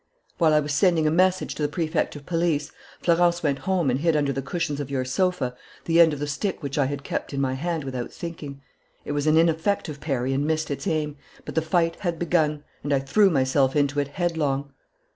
"While I was sending a message to the Prefect of Police, Florence went home and hid under the cushions of your sofa the end of the stick which I had kept in my hand without thinking. It was an ineffective parry and missed its aim. But the fight had begun; and I threw myself into it headlong.